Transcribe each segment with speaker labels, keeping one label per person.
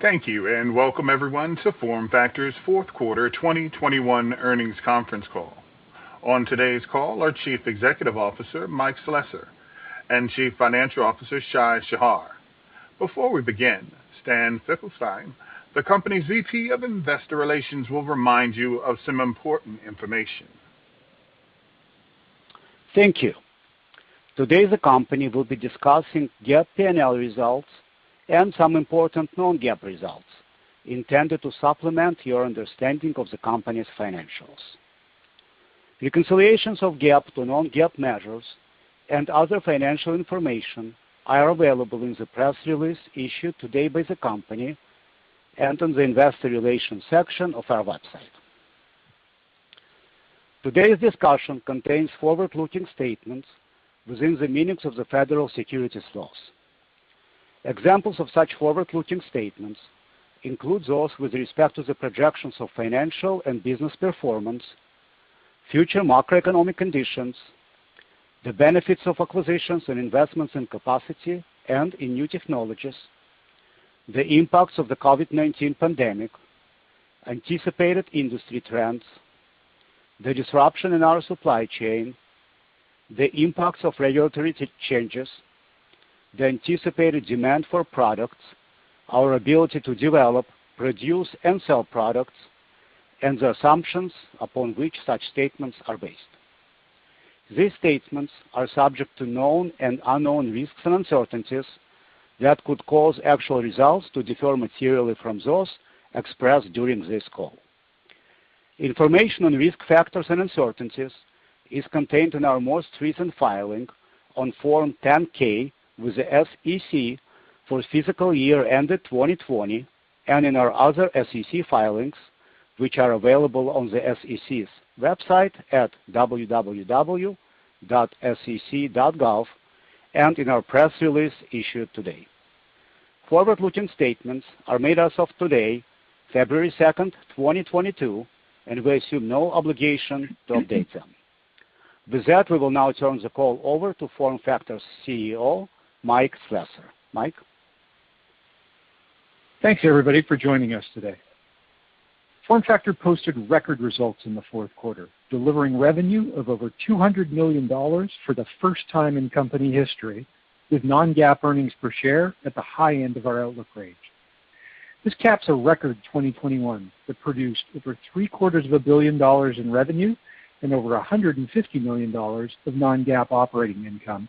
Speaker 1: Thank you, and welcome everyone to FormFactor's fourth quarter 2021 earnings conference call. On today's call are Chief Executive Officer Mike Slessor and Chief Financial Officer Shai Shahar. Before we begin, Stan Finkelstein, the company's VP of Investor Relations, will remind you of some important information.
Speaker 2: Thank you. Today, the company will be discussing GAAP P&L results and some important non-GAAP results intended to supplement your understanding of the company's financials. Reconciliations of GAAP to non-GAAP measures and other financial information are available in the press release issued today by the company and on the investor relations section of our website. Today's discussion contains forward-looking statements within the meanings of the federal securities laws. Examples of such forward-looking statements include those with respect to the projections of financial and business performance, future macroeconomic conditions, the benefits of acquisitions and investments in capacity and in new technologies, the impacts of the COVID-19 pandemic, anticipated industry trends, the disruption in our supply chain, the impacts of regulatory changes, the anticipated demand for products, our ability to develop, produce, and sell products, and the assumptions upon which such statements are based. These statements are subject to known and unknown risks and uncertainties that could cause actual results to differ materially from those expressed during this call. Information on risk factors and uncertainties is contained in our most recent filing on Form 10-K with the SEC for fiscal year ended 2020, and in our other SEC filings, which are available on the SEC's website at www.sec.gov, and in our press release issued today. Forward-looking statements are made as of today, February 2, 2022, and we assume no obligation to update them. With that, we will now turn the call over to FormFactor's CEO, Mike Slessor. Mike.
Speaker 3: Thanks everybody for joining us today. FormFactor posted record results in the fourth quarter, delivering revenue of over $200 million for the first time in company history, with non-GAAP earnings per share at the high end of our outlook range. This caps a record 2021 that produced over three-quarters of a billion dollars in revenue and over $150 million of non-GAAP operating income.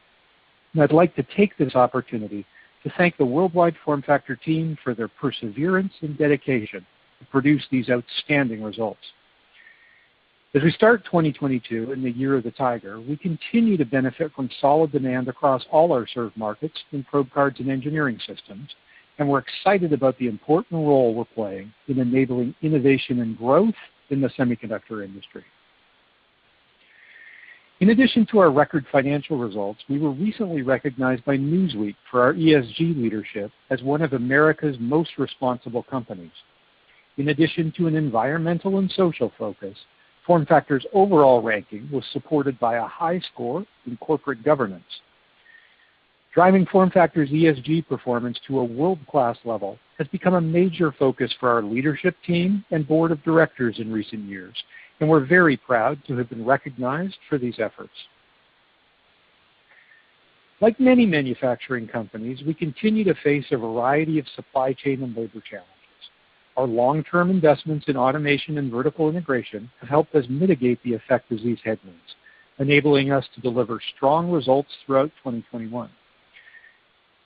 Speaker 3: I'd like to take this opportunity to thank the worldwide FormFactor team for their perseverance and dedication to produce these outstanding results. As we start 2022 in the year of the Tiger, we continue to benefit from solid demand across all our served markets in probe cards and engineering systems, and we're excited about the important role we're playing in enabling innovation and growth in the semiconductor industry. In addition to our record financial results, we were recently recognized by Newsweek for our ESG leadership as one of America's most responsible companies. In addition to an environmental and social focus, FormFactor's overall ranking was supported by a high score in corporate governance. Driving FormFactor's ESG performance to a world-class level has become a major focus for our leadership team and board of directors in recent years, and we're very proud to have been recognized for these efforts. Like many manufacturing companies, we continue to face a variety of supply chain and labor challenges. Our long-term investments in automation and vertical integration have helped us mitigate the effect of these headwinds, enabling us to deliver strong results throughout 2021.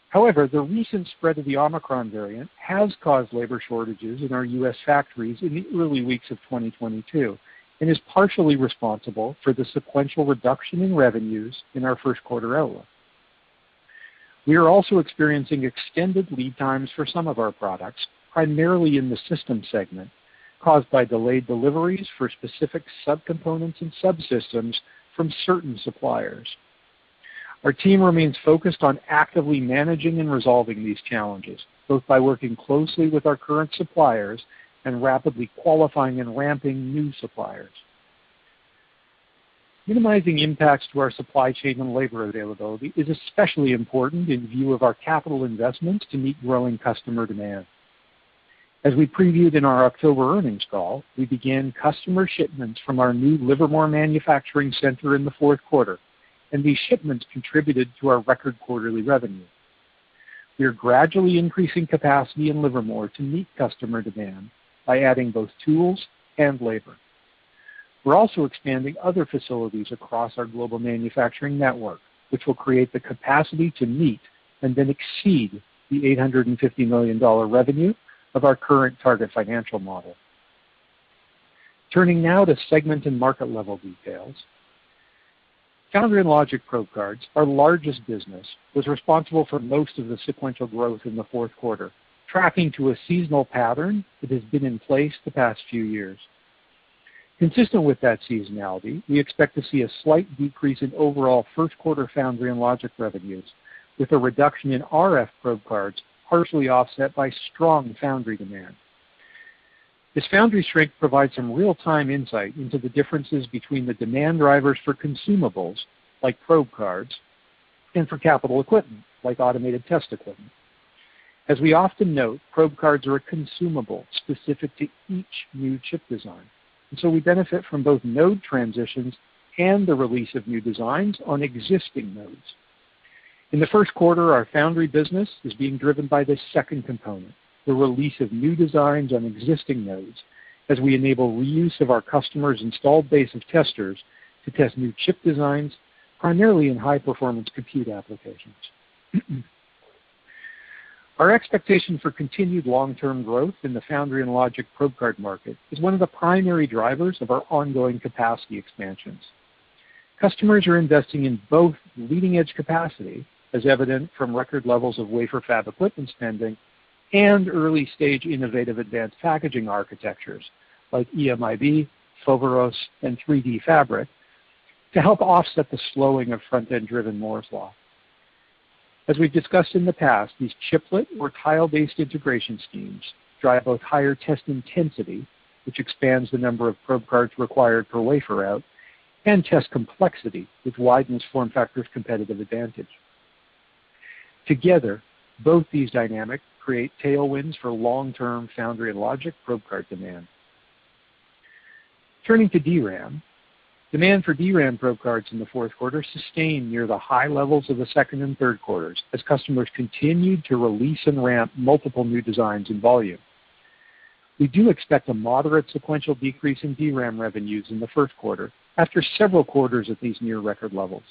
Speaker 3: However, the recent spread of the Omicron variant has caused labor shortages in our U.S. factories in the early weeks of 2022 and is partially responsible for the sequential reduction in revenues in our first quarter outlook. We are also experiencing extended lead times for some of our products, primarily in the system segment, caused by delayed deliveries for specific sub-components and subsystems from certain suppliers. Our team remains focused on actively managing and resolving these challenges, both by working closely with our current suppliers and rapidly qualifying and ramping new suppliers. Minimizing impacts to our supply chain and labor availability is especially important in view of our capital investments to meet growing customer demand. As we previewed in our October earnings call, we began customer shipments from our new Livermore manufacturing center in the fourth quarter, and these shipments contributed to our record quarterly revenue. We are gradually increasing capacity in Livermore to meet customer demand by adding both tools and labor. We're also expanding other facilities across our global manufacturing network, which will create the capacity to meet and then exceed the $850 million revenue of our current target financial model. Turning now to segment and market level details. Foundry and logic probe cards, our largest business, was responsible for most of the sequential growth in the fourth quarter, tracking to a seasonal pattern that has been in place the past few years. Consistent with that seasonality, we expect to see a slight decrease in overall first quarter foundry and logic revenues, with a reduction in RF probe cards partially offset by strong foundry demand. This foundry strength provides some real-time insight into the differences between the demand drivers for consumables, like probe cards, and for capital equipment, like automated test equipment. As we often note, probe cards are a consumable specific to each new chip design, and so we benefit from both node transitions and the release of new designs on existing nodes. In the first quarter, our foundry business is being driven by this second component, the release of new designs on existing nodes, as we enable reuse of our customers' installed base of testers to test new chip designs, primarily in high-performance compute applications. Our expectation for continued long-term growth in the foundry and logic probe card market is one of the primary drivers of our ongoing capacity expansions. Customers are investing in both leading-edge capacity, as evident from record levels of wafer fab equipment spending and early-stage innovative advanced packaging architectures like EMIB, Foveros, and 3DFabric, to help offset the slowing of front-end driven Moore's Law. As we've discussed in the past, these chiplet or tile-based integration schemes drive both higher test intensity, which expands the number of probe cards required per wafer out, and test complexity, which widens FormFactor's competitive advantage. Together, both these dynamics create tailwinds for long-term foundry and logic probe card demand. Turning to DRAM. Demand for DRAM probe cards in the fourth quarter sustained near the high levels of the second and third quarters as customers continued to release and ramp multiple new designs in volume. We do expect a moderate sequential decrease in DRAM revenues in the first quarter after several quarters at these near record levels.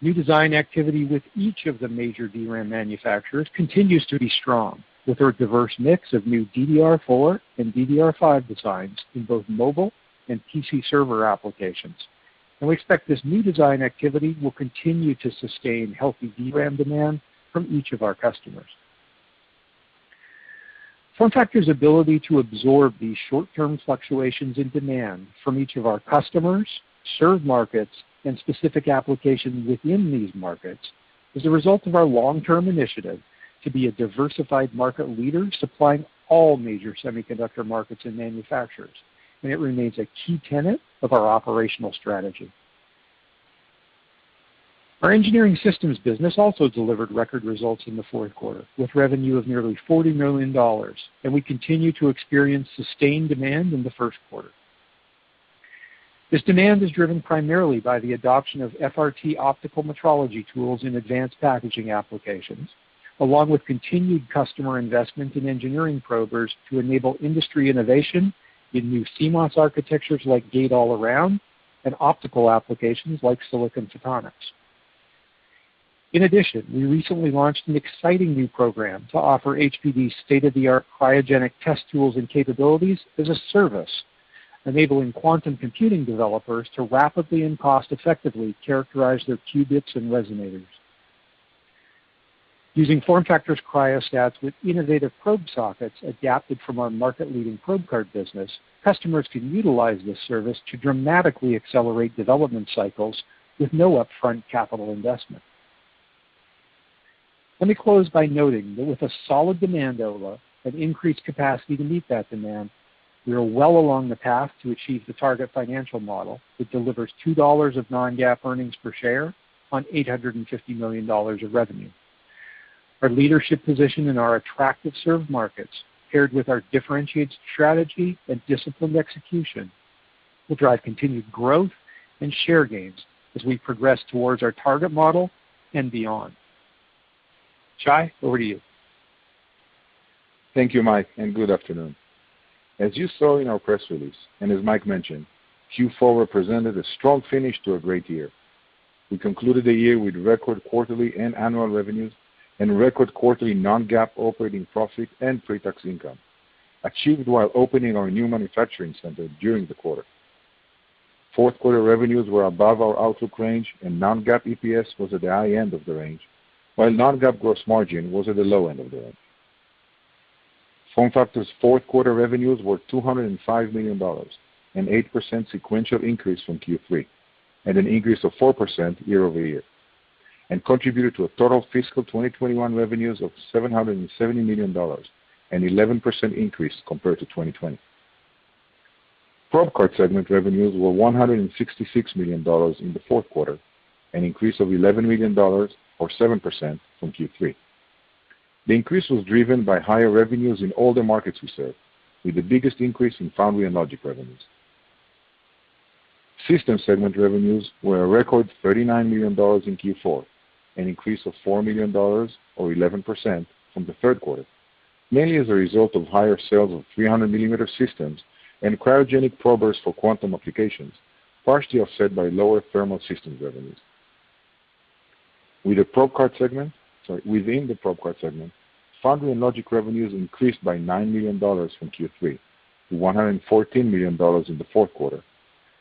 Speaker 3: New design activity with each of the major DRAM manufacturers continues to be strong, with their diverse mix of new DDR4 and DDR5 designs in both mobile and PC server applications. We expect this new design activity will continue to sustain healthy DRAM demand from each of our customers. FormFactor's ability to absorb these short-term fluctuations in demand from each of our customers, served markets, and specific applications within these markets is a result of our long-term initiative to be a diversified market leader supplying all major semiconductor markets and manufacturers, and it remains a key tenet of our operational strategy. Our engineering systems business also delivered record results in the fourth quarter, with revenue of nearly $40 million, and we continue to experience sustained demand in the first quarter. This demand is driven primarily by the adoption of FRT optical metrology tools in advanced packaging applications, along with continued customer investment in engineering probers to enable industry innovation in new CMOS architectures like Gate-All-Around and optical applications like Silicon Photonics. In addition, we recently launched an exciting new program to offer HPD's state-of-the-art cryogenic test tools and capabilities as a service, enabling quantum computing developers to rapidly and cost-effectively characterize their qubits and resonators. Using FormFactor's cryostats with innovative probe sockets adapted from our market-leading probe card business, customers can utilize this service to dramatically accelerate development cycles with no upfront capital investment. Let me close by noting that with a solid demand outlook and increased capacity to meet that demand, we are well along the path to achieve the target financial model that delivers $2 of non-GAAP earnings per share on $850 million of revenue. Our leadership position in our attractive served markets, paired with our differentiated strategy and disciplined execution, will drive continued growth and share gains as we progress towards our target model and beyond. Shai, over to you.
Speaker 4: Thank you, Mike, and good afternoon. As you saw in our press release, and as Mike mentioned, Q4 represented a strong finish to a great year. We concluded the year with record quarterly and annual revenues and record quarterly non-GAAP operating profit and pre-tax income, achieved while opening our new manufacturing center during the quarter. Fourth quarter revenues were above our outlook range, and non-GAAP EPS was at the high end of the range, while non-GAAP gross margin was at the low end of the range. FormFactor's fourth quarter revenues were $205 million, an 8% sequential increase from Q3, and an increase of 4% year-over-year, and contributed to a total fiscal 2021 revenues of $770 million, an 11% increase compared to 2020. Probe card segment revenues were $166 million in the fourth quarter, an increase of $11 million or 7% from Q3. The increase was driven by higher revenues in all the markets we serve, with the biggest increase in foundry and logic revenues. System segment revenues were a record $39 million in Q4, an increase of $4 million or 11% from the third quarter, mainly as a result of higher sales of 300-millimeter systems and cryogenic probers for quantum applications, partially offset by lower thermal systems revenues. Within the probe card segment, foundry and logic revenues increased by $9 million from Q3 to $114 million in the fourth quarter,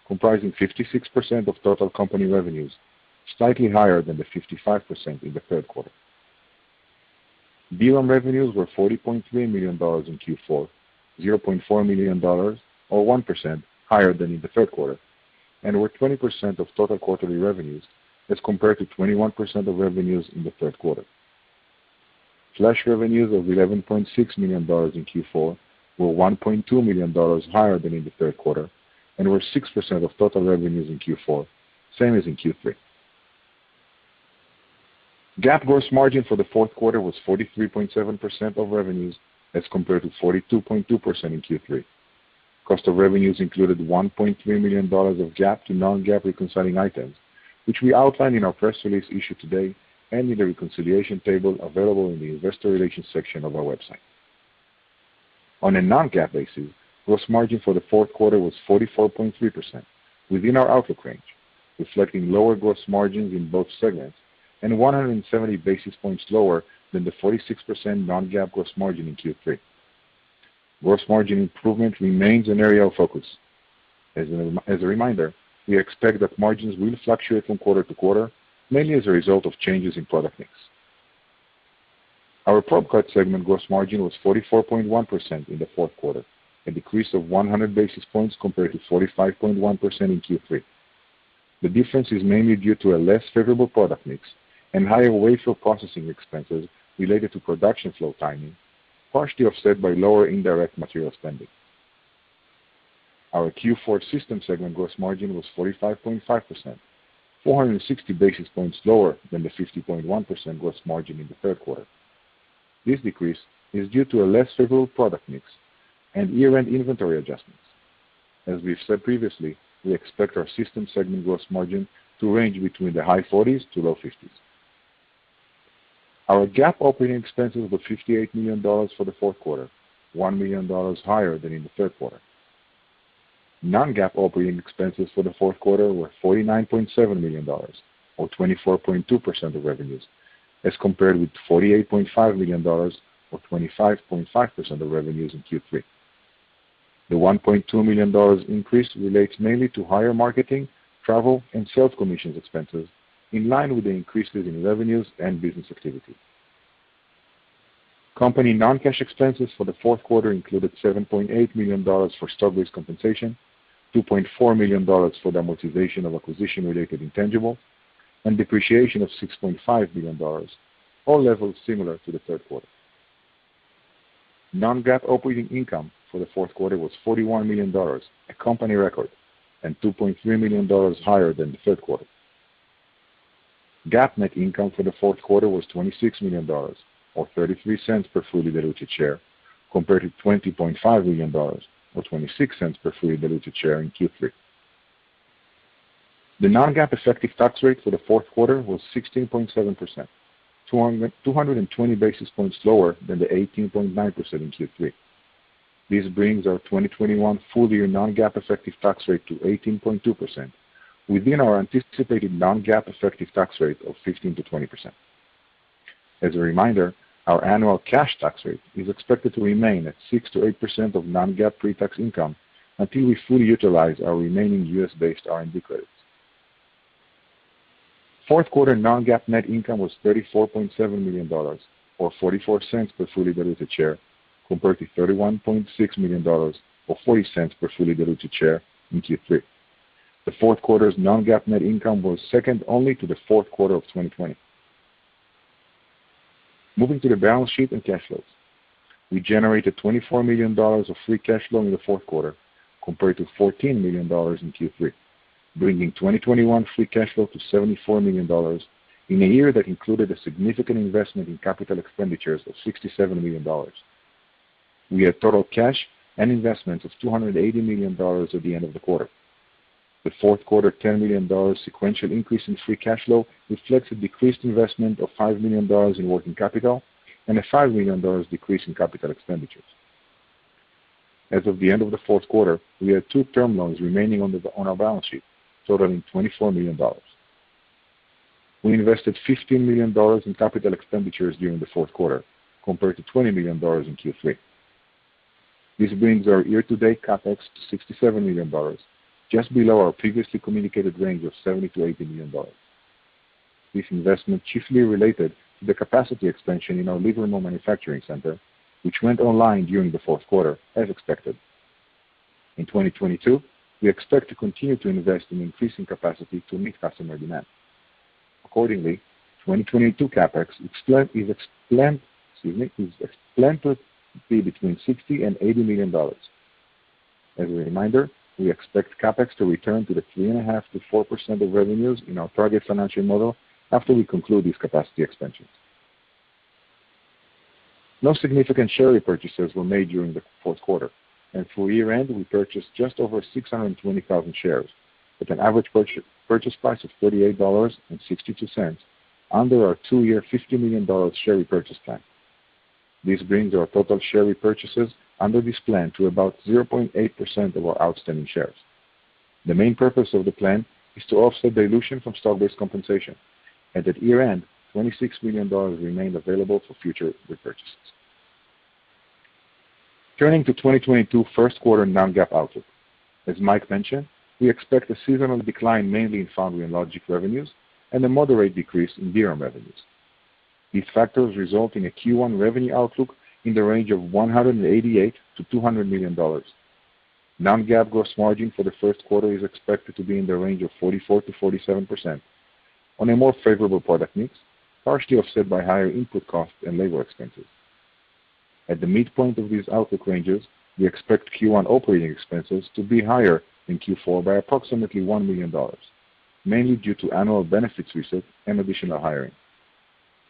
Speaker 4: comprising 56% of total company revenues, slightly higher than the 55% in the third quarter. DRAM revenues were $40.3 million in Q4, $0.4 million or 1% higher than in the third quarter. Were 20% of total quarterly revenues as compared to 21% of revenues in the third quarter. Flash revenues of $11.6 million in Q4 were $1.2 million higher than in the third quarter and were 6% of total revenues in Q4, same as in Q3. GAAP gross margin for the fourth quarter was 43.7% of revenues as compared to 42.2% in Q3. Cost of revenues included $1.3 million of GAAP to non-GAAP reconciling items, which we outlined in our press release issued today and in the reconciliation table available in the investor relations section of our website. On a non-GAAP basis, gross margin for the fourth quarter was 44.3% within our outlook range, reflecting lower gross margins in both segments and 170 basis points lower than the 46% non-GAAP gross margin in Q3. Gross margin improvement remains an area of focus. As a reminder, we expect that margins will fluctuate from quarter to quarter, mainly as a result of changes in product mix. Our probe card segment gross margin was 44.1% in the fourth quarter, a decrease of 100 basis points compared to 45.1% in Q3. The difference is mainly due to a less favorable product mix and higher wafer processing expenses related to production flow timing, partially offset by lower indirect material spending. Our Q4 system segment gross margin was 45.5%, 460 basis points lower than the 50.1% gross margin in the third quarter. This decrease is due to a less favorable product mix and year-end inventory adjustments. As we've said previously, we expect our system segment gross margin to range between the high 40s% to low 50s%. Our GAAP operating expenses were $58 million for the fourth quarter, $1 million higher than in the third quarter. non-GAAP operating expenses for the fourth quarter were $49.7 million or 24.2% of revenues, as compared with $48.5 million or 25.5% of revenues in Q3. The $1.2 million increase relates mainly to higher marketing, travel, and sales commissions expenses in line with the increases in revenues and business activity. Company non-cash expenses for the fourth quarter included $7.8 million for stock-based compensation, $2.4 million for the amortization of acquisition-related intangibles, and depreciation of $6.5 million, all levels similar to the third quarter. Non-GAAP operating income for the fourth quarter was $41 million, a company record, and $2.3 million higher than the third quarter. GAAP net income for the fourth quarter was $26 million or 33 cents per fully diluted share, compared to $20.5 million or $0.26 per fully diluted share in Q3. The non-GAAP effective tax rate for the fourth quarter was 16.7%, 220 basis points lower than the 18.9% in Q3. This brings our 2021 full-year non-GAAP effective tax rate to 18.2% within our anticipated non-GAAP effective tax rate of 15%-20%. As a reminder, our annual cash tax rate is expected to remain at 6%-8% of non-GAAP pre-tax income until we fully utilize our remaining U.S.-based R&D credits. Fourth quarter non-GAAP net income was $34.7 million or $0.44 per fully diluted share, compared to $31.6 million or $0.40 per fully diluted share in Q3. The fourth quarter's non-GAAP net income was second only to the fourth quarter of 2020. Moving to the balance sheet and cash flows. We generated $24 million of free cash flow in the fourth quarter compared to $14 million in Q3, bringing 2021 free cash flow to $74 million in a year that included a significant investment in capital expenditures of $67 million. We had total cash and investments of $280 million at the end of the quarter. The fourth quarter $10 million sequential increase in free cash flow reflects a decreased investment of $5 million in working capital and a $5 million decrease in capital expenditures. As of the end of the fourth quarter, we had 2 term loans remaining on our balance sheet, totaling $24 million. We invested $15 million in capital expenditures during the fourth quarter, compared to $20 million in Q3. This brings our year-to-date CapEx to $67 million, just below our previously communicated range of $70 million-$80 million. This investment chiefly related to the capacity expansion in our Livermore manufacturing center, which went online during the fourth quarter as expected. In 2022, we expect to continue to invest in increasing capacity to meet customer demand. Accordingly, 2022 CapEx is explained to be between $60 million-$80 million. As a reminder, we expect CapEx to return to the 3.5%-4% of revenues in our target financial model after we conclude these capacity expansions. No significant share repurchases were made during the fourth quarter, and through year-end, we purchased just over 620,000 shares at an average purchase price of $48.62 under our two-year $50 million share repurchase plan. This brings our total share repurchases under this plan to about 0.8% of our outstanding shares. The main purpose of the plan is to offset dilution from stock-based compensation. At year-end, $26 million remained available for future repurchases. Turning to 2022 first quarter non-GAAP outlook. As Mike mentioned, we expect a seasonal decline mainly in foundry and logic revenues and a moderate decrease in DRAM revenues. These factors result in a Q1 revenue outlook in the range of $188 million-$200 million. Non-GAAP gross margin for the first quarter is expected to be in the range of 44%-47% on a more favorable product mix, partially offset by higher input costs and labor expenses. At the midpoint of these outlook ranges, we expect Q1 operating expenses to be higher than Q4 by approximately $1 million, mainly due to annual benefits reset and additional hiring.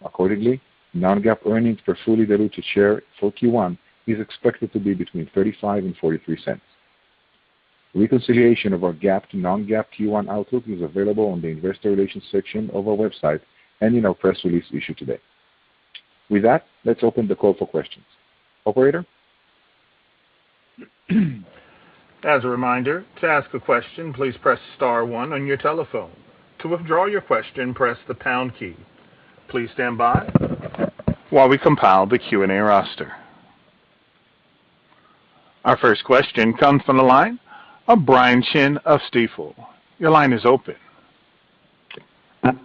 Speaker 4: Accordingly, non-GAAP earnings per fully diluted share for Q1 is expected to be between $0.35 and $0.43. Reconciliation of our GAAP to non-GAAP Q1 outlook is available on the investor relations section of our website and in our press release issued today. With that, let's open the call for questions. Operator?
Speaker 1: Our first question comes from the line of Brian Chin of Stifel. Your line is open.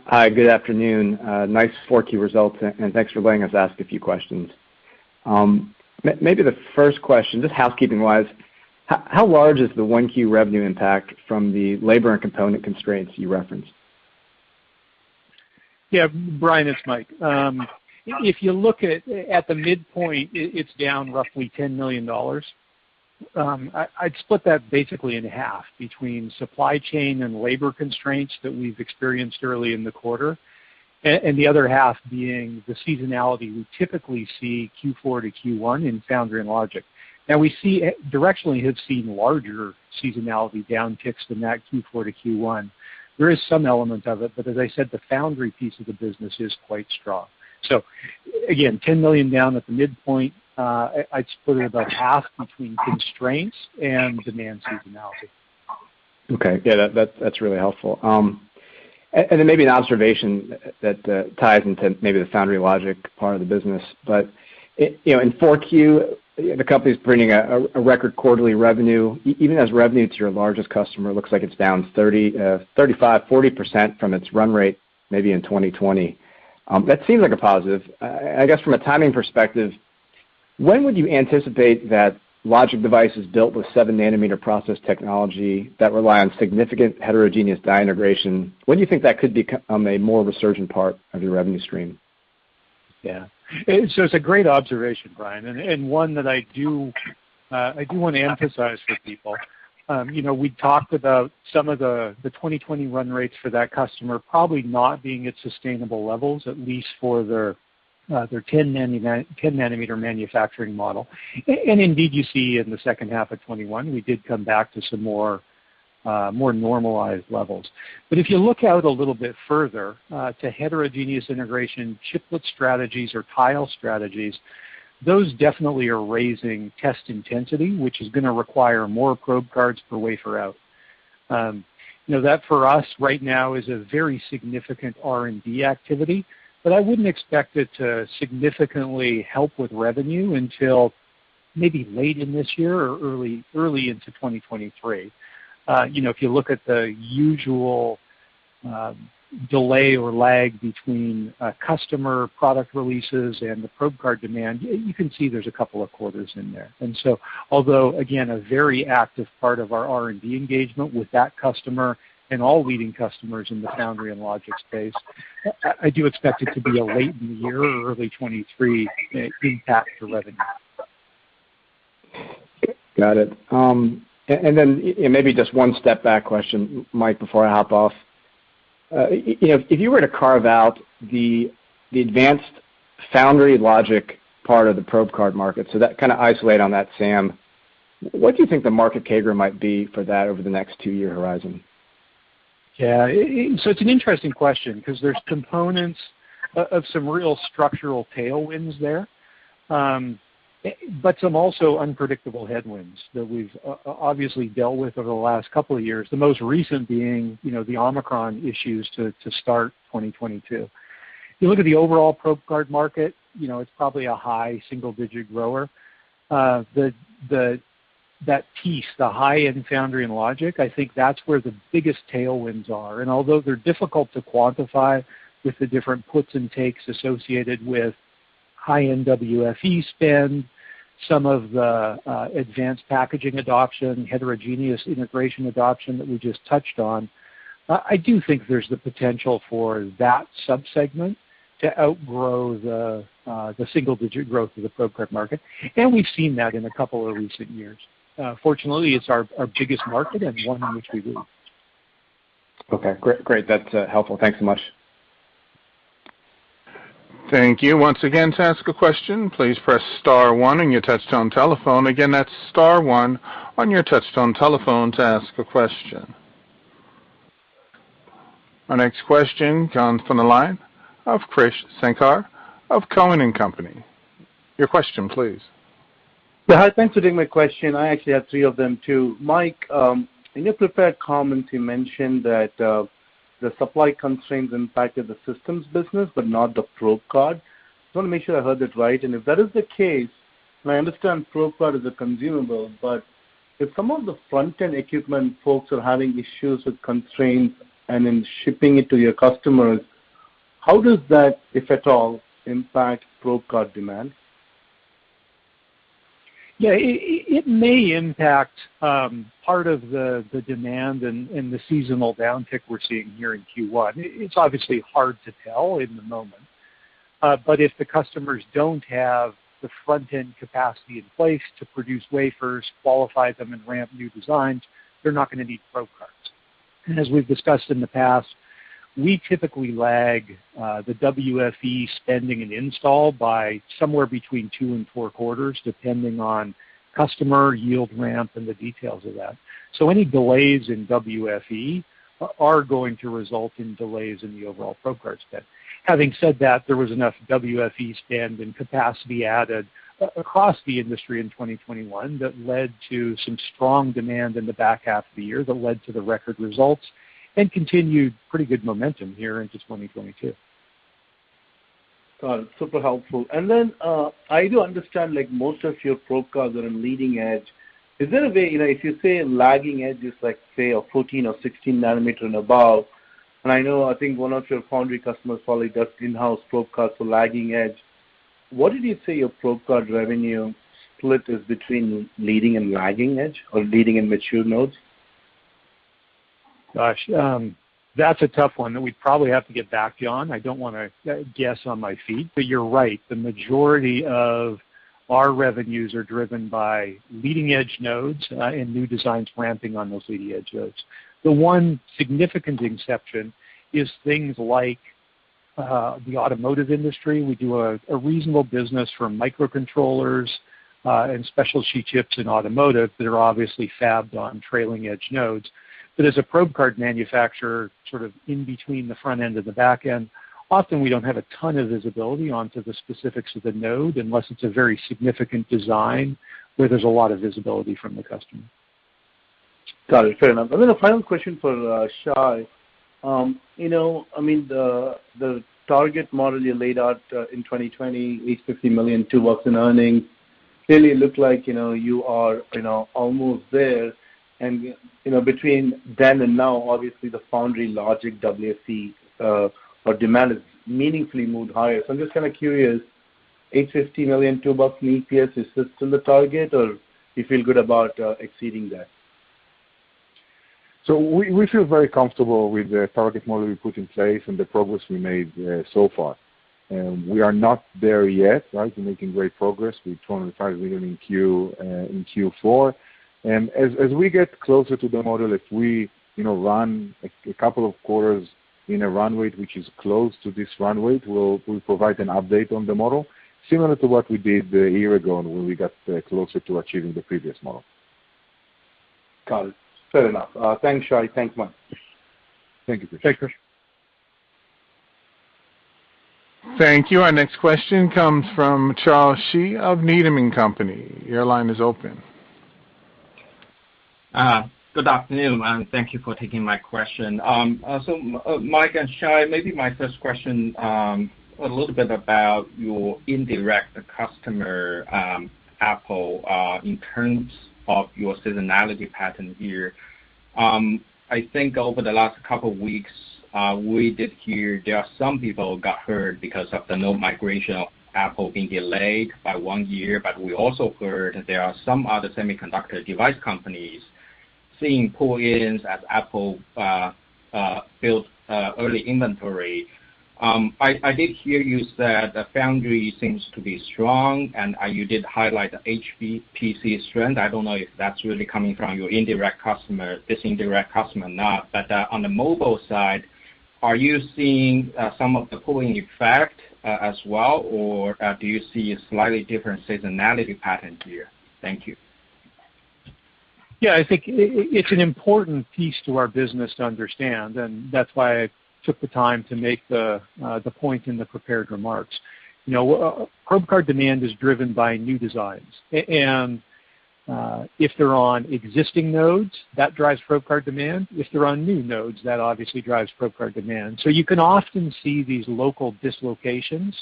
Speaker 5: Hi. Good afternoon. Nice Q4 results, and thanks for letting us ask a few questions. Maybe the first question, just housekeeping-wise, how large is the 1Q revenue impact from the labor and component constraints you referenced?
Speaker 3: Yeah, Brian, it's Mike. If you look at the midpoint, it's down roughly $10 million. I'd split that basically in half between supply chain and labor constraints that we've experienced early in the quarter, and the other half being the seasonality we typically see Q4 to Q1 in foundry and logic. Now, directionally, we've seen larger seasonality downticks than that Q4 to Q1. There is some element of it, but as I said, the foundry piece of the business is quite strong. Again, $10 million down at the midpoint. I'd split it about half between constraints and demand seasonality.
Speaker 5: Okay. Yeah, that's really helpful. And then maybe an observation that ties into maybe the foundry and logic part of the business. You know, in Q4, the company's bringing a record quarterly revenue. Even as revenue to your largest customer looks like it's down 35%-40% from its run rate, maybe in 2020. That seems like a positive. I guess from a timing perspective, when would you anticipate that logic devices built with 7-nanometer process technology that rely on significant heterogeneous die integration? When do you think that could become a more resurgent part of your revenue stream?
Speaker 3: Yeah. It's a great observation, Brian, and one that I do wanna emphasize for people. You know, we talked about some of the 2020 run rates for that customer probably not being at sustainable levels, at least for their 10-nanometer manufacturing model. Indeed, you see in the second half of 2021, we did come back to some more normalized levels. If you look out a little bit further to heterogeneous integration, chiplet strategies or tile strategies, those definitely are raising test intensity, which is gonna require more probe cards per wafer out. You know, that for us right now is a very significant R&D activity, but I wouldn't expect it to significantly help with revenue until maybe late in this year or early into 2023. You know, if you look at the usual delay or lag between customer product releases and the probe card demand, you can see there's a couple of quarters in there. Although, again, a very active part of our R&D engagement with that customer and all leading customers in the foundry and logic space, I do expect it to be late in the year or early 2023 impact to revenue.
Speaker 5: Got it. Then maybe just one step back question, Mike, before I hop off. You know, if you were to carve out the advanced foundry logic part of the probe card market, so that kinda isolate on that SAM, what do you think the market CAGR might be for that over the next two-year horizon?
Speaker 3: It's an interesting question 'cause there's components of some real structural tailwinds there, but some also unpredictable headwinds that we've obviously dealt with over the last couple of years, the most recent being, you know, the Omicron issues to start 2022. If you look at the overall probe card market, it's probably a high single-digit grower. That piece, the high-end foundry and logic, I think that's where the biggest tailwinds are. Although they're difficult to quantify with the different puts and takes associated with high-end WFE spend, some of the advanced packaging adoption, heterogeneous integration adoption that we just touched on, I do think there's the potential for that sub-segment to outgrow the single-digit growth of the probe card market, and we've seen that in a couple of recent years. Fortunately, it's our biggest market and one in which we lose.
Speaker 5: Okay. Great. That's helpful. Thanks so much.
Speaker 1: Our next question comes from the line of Krish Sankar of Cowen and Company. Your question, please.
Speaker 6: Yeah. Thanks for taking my question. I actually have three of them too. Mike, in your prepared comments, you mentioned that the supply constraints impacted the systems business, but not the probe card. I just wanna make sure I heard it right. If that is the case- I understand probe card is a consumable, but if some of the front-end equipment folks are having issues with constraints and in shipping it to your customers, how does that, if at all, impact probe card demand?
Speaker 3: Yeah. It may impact part of the demand and the seasonal downtick we're seeing here in Q1. It's obviously hard to tell in the moment. If the customers don't have the front-end capacity in place to produce wafers, qualify them, and ramp new designs, they're not gonna need probe cards. As we've discussed in the past, we typically lag the WFE spending and install by somewhere between two and four quarters, depending on customer yield ramp and the details of that. Any delays in WFE are going to result in delays in the overall probe card spend. Having said that, there was enough WFE spend and capacity added across the industry in 2021 that led to some strong demand in the back half of the year that led to the record results and continued pretty good momentum here into 2022.
Speaker 6: Got it. Super helpful. I do understand, like, most of your probe cards are in leading edge. Is there a way, you know, if you say lagging edge is like, say, a 14 or 16 nm and above, and I know I think one of your foundry customers probably does in-house probe cards for lagging edge. What did you say your probe card revenue split is between leading and lagging edge or leading and mature nodes?
Speaker 3: Gosh, that's a tough one that we'd probably have to get back to you on. I don't wanna guess on my feet. You're right, the majority of our revenues are driven by leading-edge nodes, and new designs ramping on those leading-edge nodes. The one significant exception is things like the automotive industry. We do a reasonable business for microcontrollers and specialty chips in automotive that are obviously fabbed on trailing-edge nodes. As a probe card manufacturer, sort of in between the front end and the back end, often we don't have a ton of visibility onto the specifics of the node unless it's a very significant design where there's a lot of visibility from the customer.
Speaker 6: Got it. Fair enough. Then a final question for Shai. You know, I mean, the target model you laid out in 2020, $850 million, $2 in earnings, clearly it looked like you know, you are almost there. You know, between then and now, obviously the foundry logic WFE or demand has meaningfully moved higher. I'm just kind of curious, $850 million, $2 in EPS, is this still the target, or you feel good about exceeding that?
Speaker 4: We feel very comfortable with the target model we put in place and the progress we made so far. We are not there yet, right? We're making great progress with $205 million in Q4. As we get closer to the model, if we run a couple of quarters in a run rate which is close to this run rate, we'll provide an update on the model, similar to what we did a year ago when we got closer to achieving the previous model.
Speaker 6: Got it. Fair enough. Thanks, Shai. Thanks, Mike.
Speaker 4: Thank you, Krish.
Speaker 3: Thanks, Krish.
Speaker 1: Thank you. Our next question comes from Charles Shi of Needham & Company. Your line is open.
Speaker 7: Good afternoon, and thank you for taking my question. Mike and Shai, maybe my first question, a little bit about your indirect customer, Apple, in terms of your seasonality pattern here. I think over the last couple weeks, we did hear there are some people got hurt because of the node migration of Apple being delayed by one year, but we also heard there are some other semiconductor device companies seeing pull-ins as Apple built early inventory. I did hear you said the foundry seems to be strong, and you did highlight the HPC strength. I don't know if that's really coming from your indirect customer, this indirect customer or not. On the mobile side, are you seeing some of the pulling effect as well, or do you see a slightly different seasonality pattern here? Thank you.
Speaker 3: Yeah. I think it's an important piece to our business to understand, and that's why I took the time to make the point in the prepared remarks. You know, probe card demand is driven by new designs. If they're on existing nodes, that drives probe card demand. If they're on new nodes, that obviously drives probe card demand. You can often see these local dislocations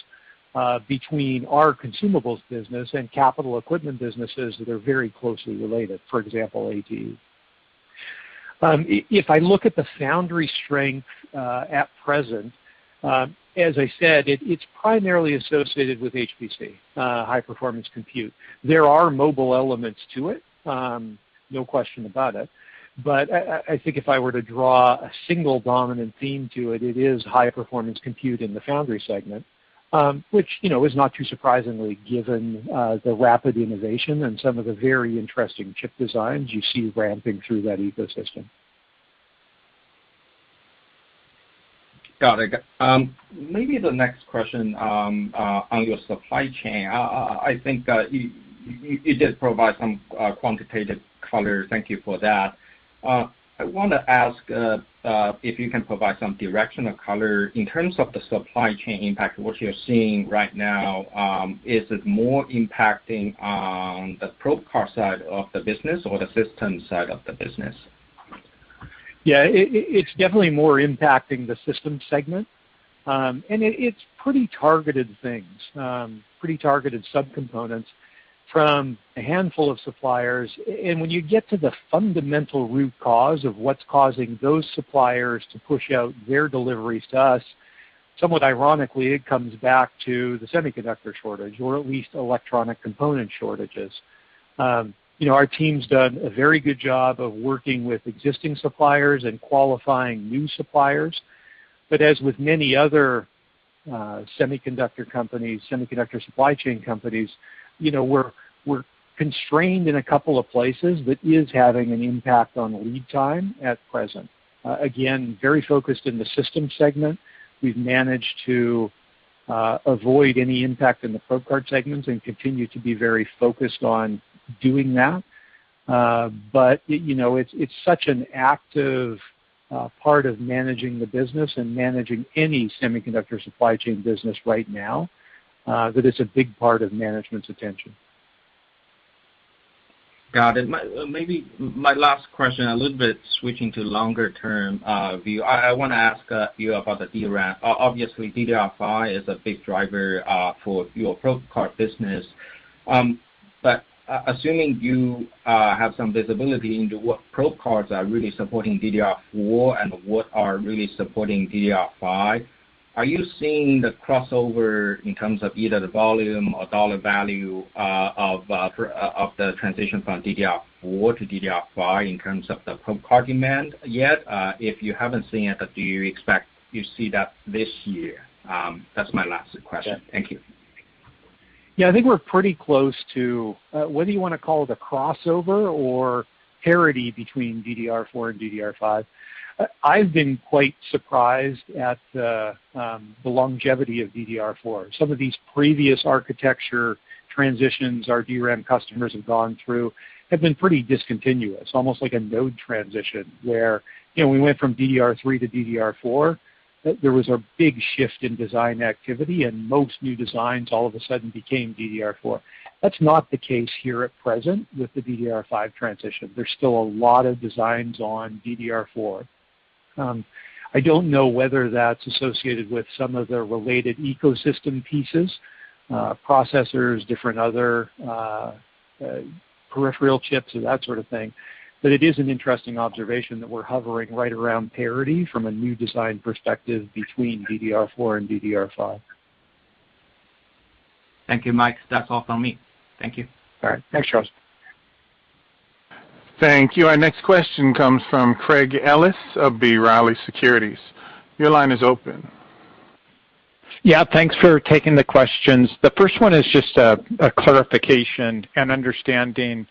Speaker 3: between our consumables business and capital equipment businesses that are very closely related, for example, ATE. If I look at the foundry strength at present, as I said, it's primarily associated with HPC, high performance compute. There are mobile elements to it, no question about it. I think if I were to draw a single dominant theme to it is high performance compute in the foundry segment, which, you know, is not too surprising given the rapid innovation and some of the very interesting chip designs you see ramping through that ecosystem.
Speaker 7: Got it. Maybe the next question on your supply chain. I think you did provide some quantitative color. Thank you for that. I wanna ask if you can provide some directional color in terms of the supply chain impact, what you're seeing right now. Is it more impacting on the probe card side of the business or the system side of the business?
Speaker 3: Yeah, it's definitely more impacting the system segment. It's pretty targeted things, pretty targeted subcomponents from a handful of suppliers. When you get to the fundamental root cause of what's causing those suppliers to push out their deliveries to us, somewhat ironically, it comes back to the semiconductor shortage or at least electronic component shortages. You know, our team's done a very good job of working with existing suppliers and qualifying new suppliers. As with many other semiconductor companies, semiconductor supply chain companies, you know, we're constrained in a couple of places that is having an impact on lead time at present. Again, very focused in the system segment. We've managed to avoid any impact in the probe card segments and continue to be very focused on doing that. You know, it's such an active part of managing the business and managing any semiconductor supply chain business right now that it's a big part of management's attention.
Speaker 7: Got it. Maybe my last question, a little bit switching to longer-term view. I wanna ask you about the DRAM. Obviously, DDR5 is a big driver for your probe card business. Assuming you have some visibility into what probe cards are really supporting DDR4 and what are really supporting DDR5, are you seeing the crossover in terms of either the volume or dollar value of the transition from DDR4 to DDR5 in terms of the probe card demand yet? If you haven't seen it, do you expect you see that this year? That's my last question.
Speaker 3: Yeah.
Speaker 7: Thank you.
Speaker 3: Yeah, I think we're pretty close to whether you wanna call it a crossover or parity between DDR4 and DDR5. I've been quite surprised at the longevity of DDR4. Some of these previous architecture transitions our DRAM customers have gone through have been pretty discontinuous, almost like a node transition, where, you know, we went from DDR3 to DDR4, there was a big shift in design activity, and most new designs all of a sudden became DDR4. That's not the case here at present with the DDR5 transition. There's still a lot of designs on DDR4. I don't know whether that's associated with some of the related ecosystem pieces, processors, different other peripheral chips and that sort of thing. It is an interesting observation that we're hovering right around parity from a new design perspective between DDR4 and DDR5.
Speaker 7: Thank you, Mike. That's all from me. Thank you.
Speaker 3: All right. Thanks, Charles.
Speaker 1: Thank you. Our next question comes from Craig Ellis of B. Riley Securities. Your line is open.
Speaker 8: Yeah, thanks for taking the questions. The first one is just a clarification and understanding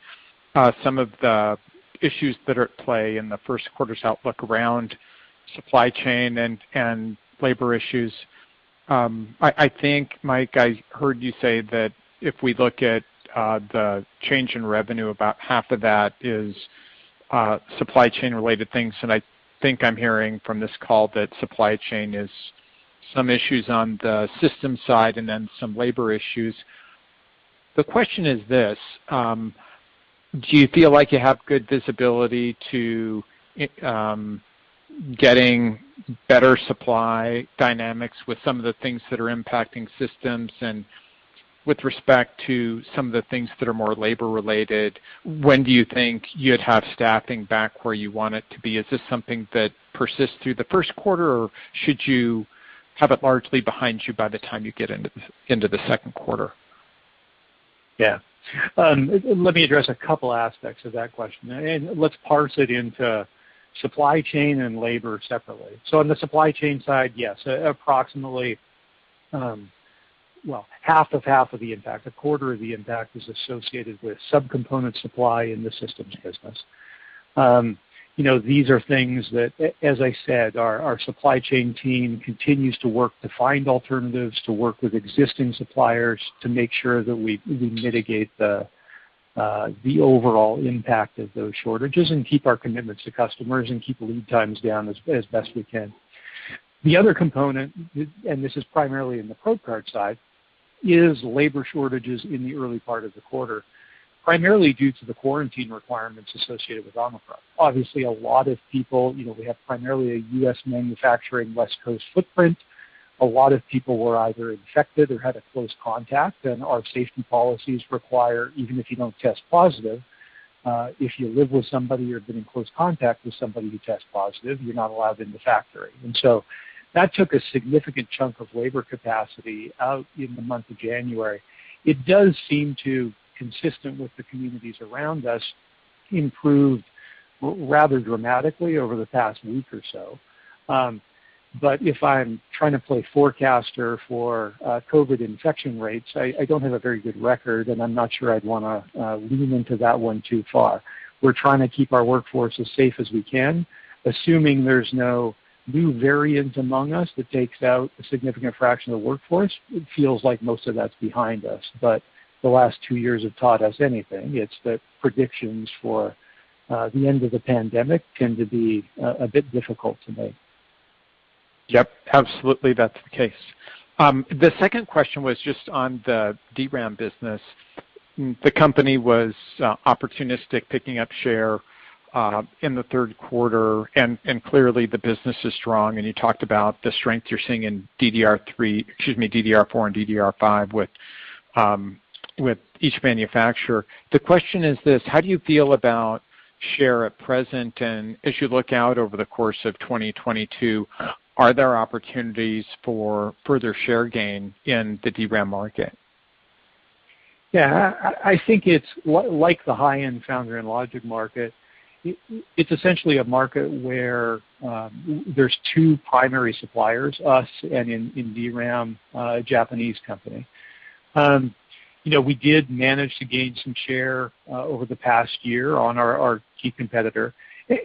Speaker 8: some of the issues that are at play in the first quarter's outlook around supply chain and labor issues. I think, Mike, I heard you say that if we look at the change in revenue, about half of that is supply chain-related things, and I think I'm hearing from this call that supply chain has some issues on the system side and then some labor issues. The question is this, do you feel like you have good visibility to getting better supply dynamics with some of the things that are impacting systems? And with respect to some of the things that are more labor-related, when do you think you'd have staffing back where you want it to be? Is this something that persists through the first quarter, or should you have it largely behind you by the time you get into the second quarter?
Speaker 3: Yeah. Let me address a couple aspects of that question, and let's parse it into supply chain and labor separately. On the supply chain side, yes, approximately, well, half of half of the impact, a quarter of the impact is associated with subcomponent supply in the systems business. You know, these are things that as I said, our supply chain team continues to work to find alternatives to work with existing suppliers to make sure that we mitigate the overall impact of those shortages and keep our commitments to customers and keep lead times down as best we can. The other component, and this is primarily in the probe card side, is labor shortages in the early part of the quarter, primarily due to the quarantine requirements associated with Omicron. Obviously, a lot of people, you know, we have primarily a U.S. manufacturing West Coast footprint. A lot of people were either infected or had a close contact, and our safety policies require, even if you don't test positive, if you live with somebody or have been in close contact with somebody who tests positive, you're not allowed in the factory. That took a significant chunk of labor capacity out in the month of January. It does seem to, consistent with the communities around us, improve rather dramatically over the past week or so. If I'm trying to play forecaster for COVID infection rates, I don't have a very good record, and I'm not sure I'd wanna lean into that one too far. We're trying to keep our workforce as safe as we can, assuming there's no new variants among us that takes out a significant fraction of the workforce. It feels like most of that's behind us, but if the last two years have taught us anything, it's that predictions for the end of the pandemic tend to be a bit difficult to make.
Speaker 8: Yep, absolutely that's the case. The second question was just on the DRAM business. The company was opportunistic picking up share in the third quarter, and clearly the business is strong, and you talked about the strength you're seeing in DDR4 and DDR5 with each manufacturer. The question is this, how do you feel about share at present, and as you look out over the course of 2022, are there opportunities for further share gain in the DRAM market?
Speaker 3: Yeah. I think it's like the high-end foundry and logic market. It's essentially a market where there's two primary suppliers, us and in DRAM, a Japanese company. You know, we did manage to gain some share over the past year on our key competitor.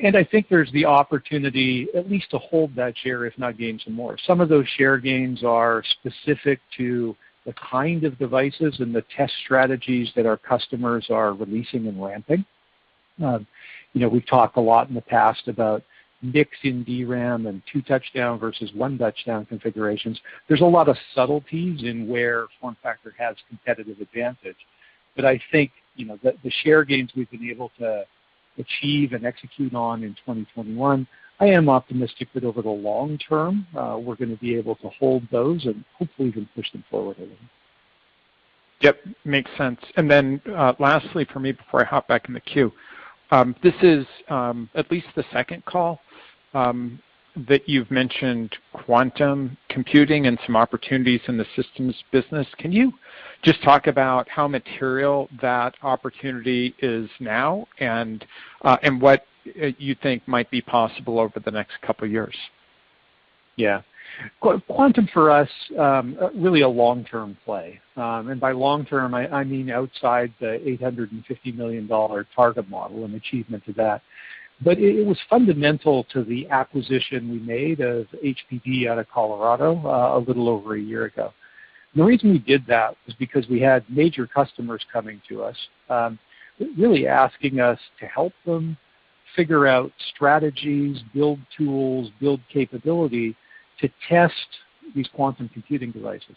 Speaker 3: And I think there's the opportunity at least to hold that share, if not gain some more. Some of those share gains are specific to the kind of devices and the test strategies that our customers are releasing and ramping. You know, we've talked a lot in the past about mix in DRAM and two touchdown versus one touchdown configurations. There's a lot of subtleties in where FormFactor has competitive advantage. I think, you know, the share gains we've been able to achieve and execute on in 2021. I am optimistic that over the long term, we're gonna be able to hold those and hopefully even push them forward a little.
Speaker 8: Yep, makes sense. Then, lastly for me before I hop back in the queue, this is at least the second call that you've mentioned quantum computing and some opportunities in the systems business. Can you just talk about how material that opportunity is now and what you think might be possible over the next couple of years?
Speaker 3: Yeah. Quantum for us, really a long-term play. By long-term, I mean outside the $850 million target model and achievement to that. It was fundamental to the acquisition we made of HPD out of Colorado, a little over a year ago. The reason we did that was because we had major customers coming to us, really asking us to help them figure out strategies, build tools, build capability to test these quantum computing devices.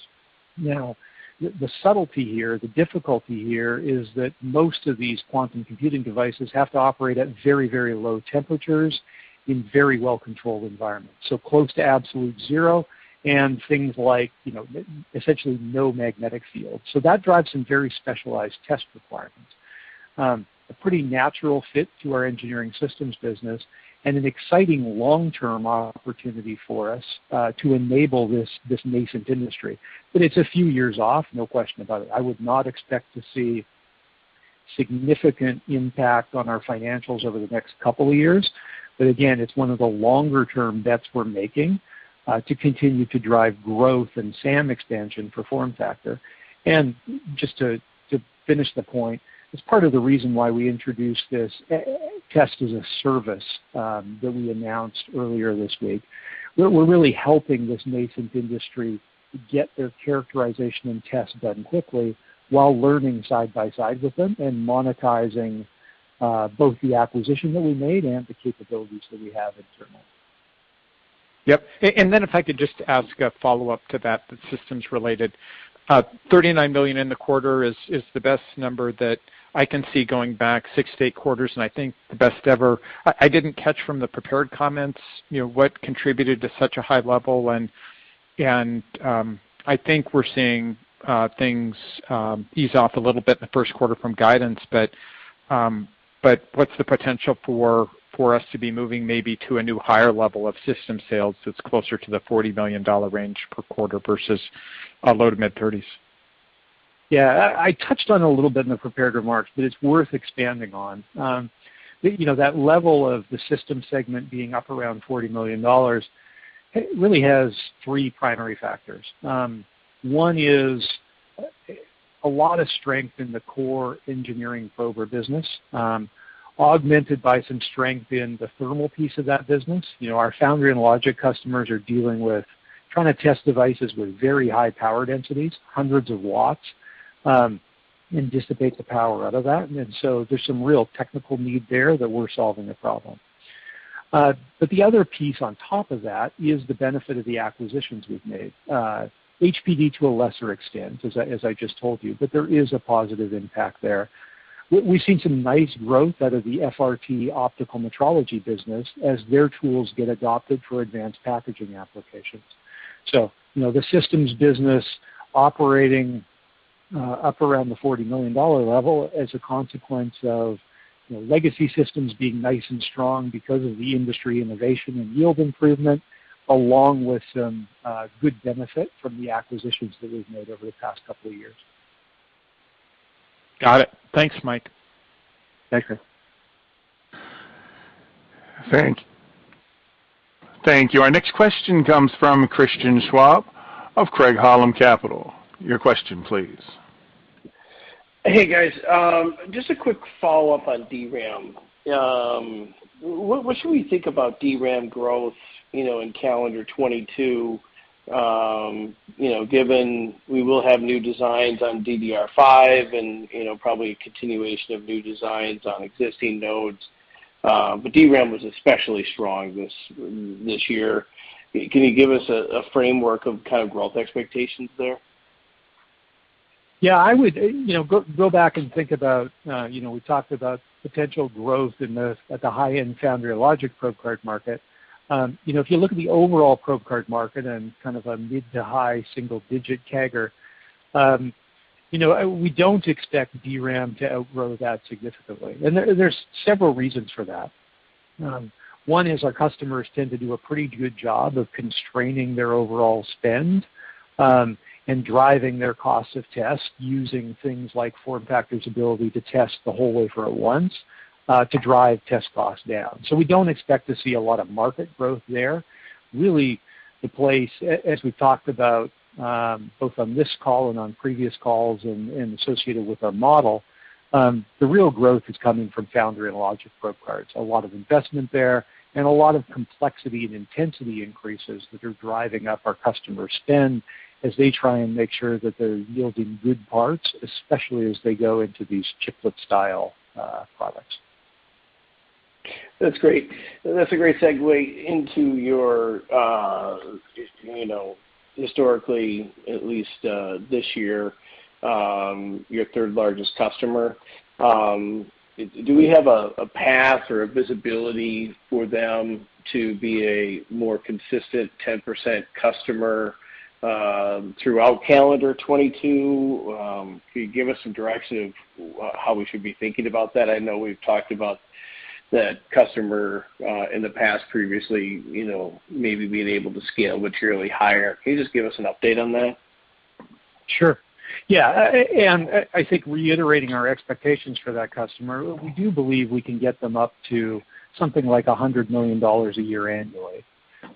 Speaker 3: Now, the subtlety here, the difficulty here is that most of these quantum computing devices have to operate at very, very low temperatures in very well-controlled environments, so close to absolute zero and things like, you know, essentially no magnetic field. That drives some very specialized test requirements. A pretty natural fit to our engineering systems business and an exciting long-term opportunity for us to enable this nascent industry. It's a few years off, no question about it. I would not expect to see significant impact on our financials over the next couple of years. Again, it's one of the longer-term bets we're making to continue to drive growth and SAM expansion for FormFactor. And just to finish the point, it's part of the reason why we introduced this test as a service that we announced earlier this week. We're really helping this nascent industry get their characterization and test done quickly while learning side by side with them and monetizing both the acquisition that we made and the capabilities that we have internally.
Speaker 8: Then if I could just ask a follow-up to that, systems-related. $39 million in the quarter is the best number that I can see going back six to eight quarters, and I think the best ever. I didn't catch from the prepared comments, you know, what contributed to such a high level. I think we're seeing things ease off a little bit in the first quarter from guidance. What's the potential for us to be moving maybe to a new higher level of system sales that's closer to the $40 million range per quarter versus low to mid thirties?
Speaker 3: Yeah. I touched on a little bit in the prepared remarks, but it's worth expanding on. You know, that level of the system segment being up around $40 million really has three primary factors. One is a lot of strength in the core engineering probe business, augmented by some strength in the thermal piece of that business. You know, our foundry and logic customers are dealing with trying to test devices with very high power densities, hundreds of watts, and dissipate the power out of that. There's some real technical need there that we're solving the problem. But the other piece on top of that is the benefit of the acquisitions we've made. HPD to a lesser extent, as I just told you, but there is a positive impact there. We've seen some nice growth out of the FRT optical metrology business as their tools get adopted for advanced packaging applications. You know, the systems business operating up around the $40 million level as a consequence of, you know, legacy systems being nice and strong because of the industry innovation and yield improvement, along with some good benefit from the acquisitions that we've made over the past couple of years.
Speaker 8: Got it. Thanks, Mike.
Speaker 3: Thank you.
Speaker 1: Thank you. Our next question comes from Christian Schwab of Craig-Hallum Capital. Your question, please.
Speaker 9: Hey, guys. Just a quick follow-up on DRAM. What should we think about DRAM growth, you know, in calendar 2022? You know, given we will have new designs on DDR5 and, you know, probably a continuation of new designs on existing nodes. DRAM was especially strong this year. Can you give us a framework of kind of growth expectations there?
Speaker 3: I would, you know, go back and think about, you know, we talked about potential growth in this at the high-end foundry and logic probe card market. You know, if you look at the overall probe card market and kind of a mid to high single-digit CAGR, you know, we don't expect DRAM to outgrow that significantly. There's several reasons for that. One is our customers tend to do a pretty good job of constraining their overall spend, and driving their cost of test using things like FormFactor's ability to test the whole wafer at once, to drive test costs down. We don't expect to see a lot of market growth there. Really the place, as we've talked about, both on this call and on previous calls and associated with our model, the real growth is coming from foundry and logic probe cards. A lot of investment there and a lot of complexity and intensity increases that are driving up our customer spend as they try and make sure that they're yielding good parts, especially as they go into these chiplet style products.
Speaker 9: That's great. That's a great segue into your, you know, historically, at least, this year, your third-largest customer. Do we have a path or a visibility for them to be a more consistent 10% customer throughout calendar 2022? Can you give us some direction of how we should be thinking about that? I know we've talked about that customer in the past previously, you know, maybe being able to scale materially higher. Can you just give us an update on that?
Speaker 3: Sure. Yeah. I think reiterating our expectations for that customer, we do believe we can get them up to something like $100 million a year annually.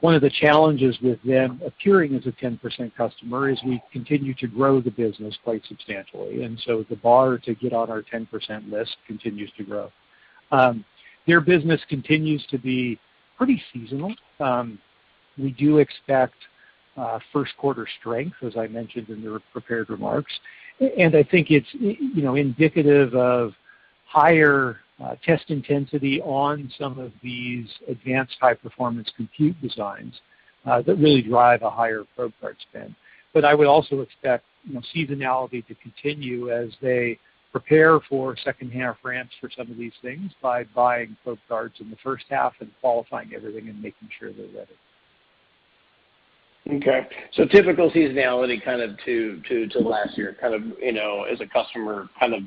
Speaker 3: One of the challenges with them appearing as a 10% customer is we continue to grow the business quite substantially. The bar to get on our 10% list continues to grow. Their business continues to be pretty seasonal. We do expect first quarter strength, as I mentioned in the prepared remarks. I think it's, you know, indicative of higher test intensity on some of these advanced high-performance compute designs that really drive a higher probe card spend. I would also expect, you know, seasonality to continue as they prepare for second half ramps for some of these things by buying probe cards in the first half and qualifying everything and making sure they're ready.
Speaker 9: Okay. Typical seasonality kind of to last year, kind of, you know, as a customer, kind of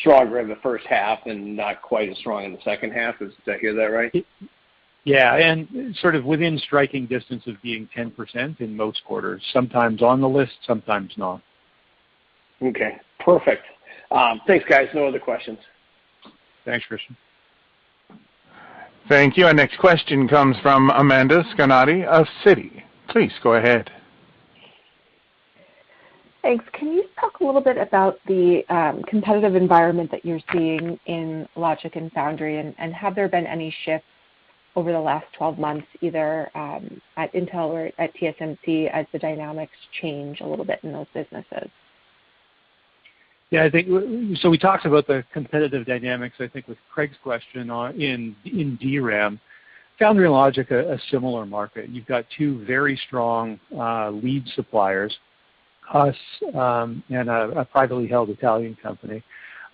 Speaker 9: stronger in the first half and not quite as strong in the second half. Did I hear that right?
Speaker 3: Yeah. Sort of within striking distance of being 10% in most quarters, sometimes on the list, sometimes not.
Speaker 9: Okay. Perfect. Thanks, guys. No other questions.
Speaker 3: Thanks, Christian.
Speaker 1: Thank you. Our next question comes from Amanda Scarnati of Citi. Please go ahead.
Speaker 10: Thanks. Can you talk a little bit about the competitive environment that you're seeing in logic and foundry? Have there been any shifts over the last 12 months, either at Intel or at TSMC as the dynamics change a little bit in those businesses?
Speaker 3: We talked about the competitive dynamics, I think, with Craig's question on DRAM. Foundry and logic are a similar market. You've got two very strong lead suppliers, us, and a privately held Italian company.